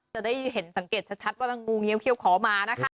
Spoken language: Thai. จะได้เห็นสังเกตชัดว่างูเงี้ยเขี้ยขอมานะคะ